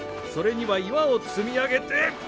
それには岩を積み上げて。